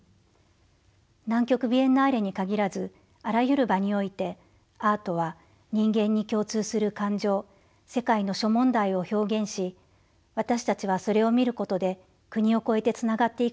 南極ビエンナーレに限らずあらゆる場においてアートは人間に共通する感情世界の諸問題を表現し私たちはそれを見ることで国を越えてつながっていくことができます。